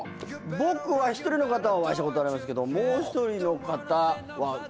僕は一人の方お会いしたことありますけどもう一人の方は。